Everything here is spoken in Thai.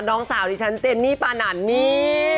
น้องสาวดิฉันเจนนี่ปานันนี่